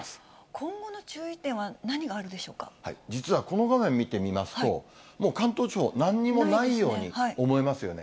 今後の注意点は何があるでし実はこの画面見てみますと、もう関東地方、なんにもないように思いますよね。